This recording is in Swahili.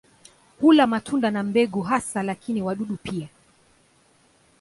Hula matunda na mbegu hasa lakini wadudu pia.